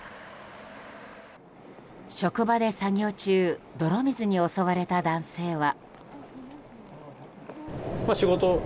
職場で作業中泥水に襲われた男性は。